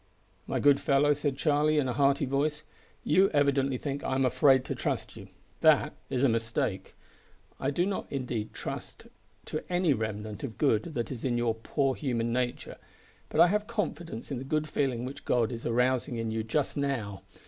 "My good fellow," said Charlie, in a hearty voice, "you evidently think I am afraid to trust you. That is a mistake. I do not indeed trust to any remnant of good that is in your poor human nature, but I have confidence in the good feeling which God is arousing in you just now.